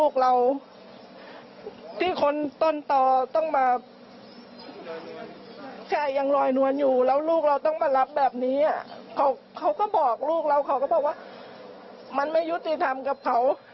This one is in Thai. เขาก็บอกลูกเรามันไม่ยุติธรรมกับเขา